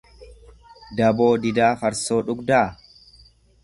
Daboo didaa farsoo dhugdaa?.